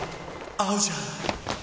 合うじゃん！！